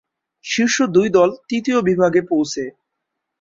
শীর্ষ দুই দল তৃতীয় বিভাগে পৌঁছে।